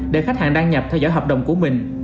để khách hàng đăng nhập theo dõi hợp đồng của mình